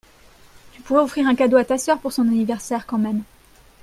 Tu pourrais offrir un cadeau à ta soeur pour son anniversaire quand même.